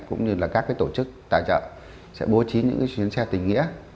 cũng như là các tổ chức tài trợ sẽ bố trí những cái chuyến xe tình nghĩa